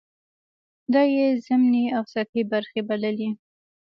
دا یې ضمني او سطحې برخې بللې.